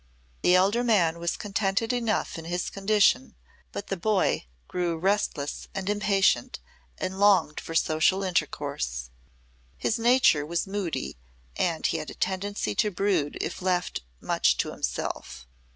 The elder man was contented enough in his condition, but the boy grew restless and impatient, and longed for social intercourse. His nature was moody and he had a tendency to brood if left much to himself.